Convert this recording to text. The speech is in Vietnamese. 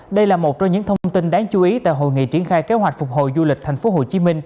đây là một trong những thông tin đáng chú ý tại hội nghị triển khai kế hoạch phục hồi du lịch tp hcm